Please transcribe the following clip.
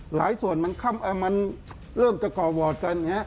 หลายส่วนมันเริ่มจะก่อวอร์ดกันเนี่ย